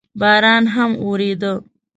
باران هم اورېده.